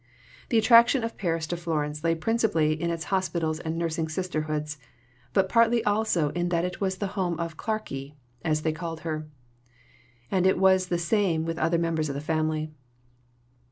The attraction of Paris to Florence lay principally in its hospitals and nursing sisterhoods, but partly also in that it was the home of "Clarkey," as they called her. And it was the same with other members of the family.